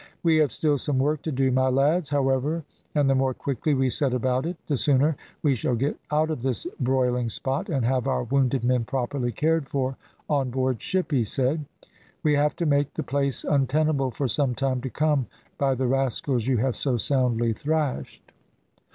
"We have still some work to do, my lads, however, and the more quickly we set about it the sooner we shall get out of this broiling spot, and have our wounded men properly cared for on board ship," he said. "We have to make the place untenable for some time to come by the rascals you have so soundly thrashed."